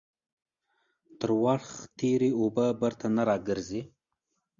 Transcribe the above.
تر ورخ تيري اوبه بيرته نه راگرځي.